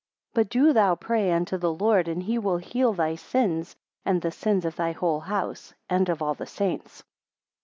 13 But do thou pray unto the Lord, and he will heal thy sins, and the sins of thy whole house, and of all his saints.